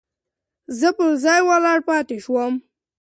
زه په ځای ولاړ پاتې شوم.